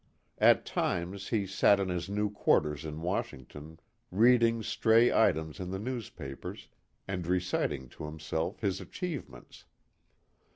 At times he sat in his new quarters in Washington reading stray items in the newspapers and reciting to himself his achievements.